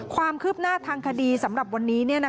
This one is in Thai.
ความคืบหน้าทางคดีสำหรับวันนี้